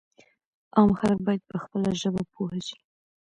عام خلک باید په خپله ژبه پوه شي.